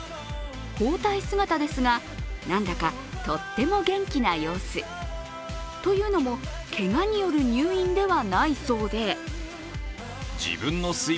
包帯姿ですが、何だかとっても元気な様子。というのもけがによる入院ではないそうで。